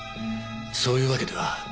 そういうわけでは。